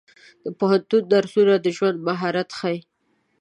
د پوهنتون درسونه د ژوند مهارتونه ښيي.